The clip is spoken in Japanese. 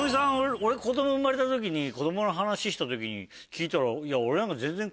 俺子供生まれた時に子供の話した時に聞いたら「俺なんか」。